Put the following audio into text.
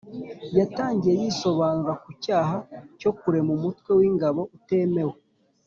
Yatangiye yisobanura ku cyaha cyo ‘kurema umutwe w’ingabo utemewe